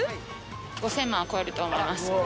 ５０００万は超えると思います。